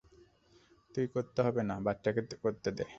তুই করতে হবে না, বাচ্চাকে করতে দে।